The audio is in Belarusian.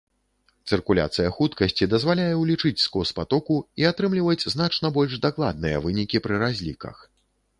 Цыркуляцыя хуткасці дазваляе ўлічыць скос патоку і атрымліваць значна больш дакладныя вынікі пры разліках.